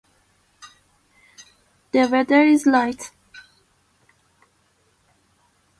It lies at the north of the island, between Moaness and Rackwick.